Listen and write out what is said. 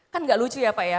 kan gak lucu ya pak ya